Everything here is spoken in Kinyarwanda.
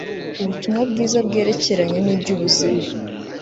Ubutumwa bwiza bwerekeranye nibyubuzima